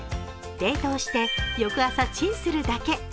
冷凍して翌朝チンするだけ。